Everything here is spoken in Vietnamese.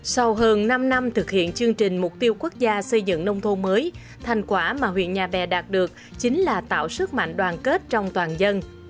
sau hơn năm năm thực hiện chương trình mục tiêu quốc gia xây dựng nông thôn mới thành quả mà huyện nhà bè đạt được chính là tạo sức mạnh đoàn kết trong toàn dân